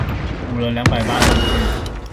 補了兩百八十句